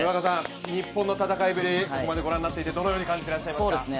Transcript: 日本の戦いぶり、ここまでご覧になってどのように感じてますか？